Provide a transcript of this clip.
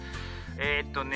えっとね